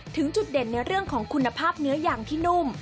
ถึงจุดเด่นในเรื่องของคุณภาพเนื้อยางที่นุ่ม